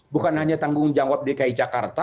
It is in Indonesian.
bukan hanya tanggung jawab dki jakarta